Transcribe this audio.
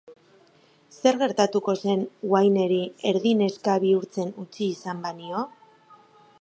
Zer gertatuko zen Wayneri erdi neska bihurtzen utzi izan banio?